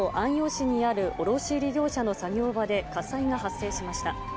市にある卸売り業者の作業場で火災が発生しました。